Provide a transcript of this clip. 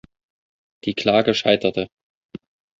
Die Klage scheiterte.